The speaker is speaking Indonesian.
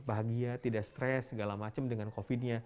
bahagia tidak stres segala macam dengan covid sembilan belas